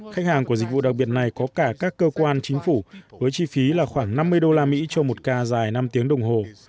khách hàng của dịch vụ đặc biệt này có cả các cơ quan chính phủ với chi phí là khoảng năm mươi usd cho một ca dài năm tiếng đồng hồ